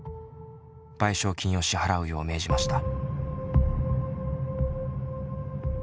賠償金を支払うよう命じました。